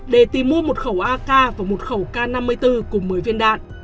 để tìm mua một khẩu ak và một khẩu k năm mươi bốn cùng một mươi viên đạn